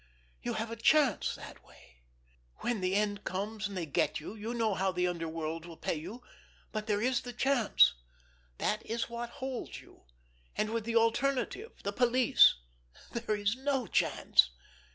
You have a chance that way! When the end comes and they get you, you know how the underworld will pay—but there is the chance—that is what holds you—and with the alternative—the police—there is no chance."